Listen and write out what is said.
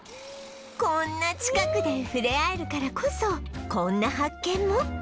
こんな近くで触れ合えるからこそこんな発見も